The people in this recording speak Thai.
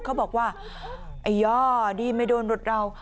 เขาบอกว่าไอ้ย่อดีไม่โดนรถเรา